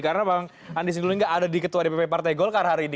karena bang andi sebelumnya tidak ada di ketua dpp partai golkar hari ini